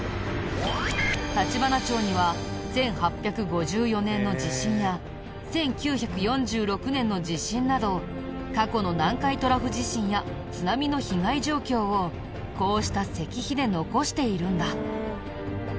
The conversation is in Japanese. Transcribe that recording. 橘町には１８５４年の地震や１９４６年の地震など過去の南海トラフ地震や津波の被害状況をこうした石碑で残しているんだ。